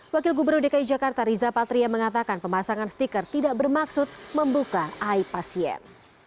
wakil gubernur dki jakarta riza patria mengatakan pemasangan stiker tidak bermaksud membuka ai pasien